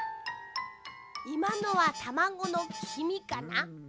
いまのはたまごのきみかな？